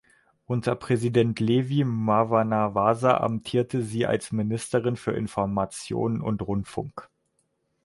Unter Präsident Levy Mwanawasa amtierte sie als Ministerin für Information und Rundfunk.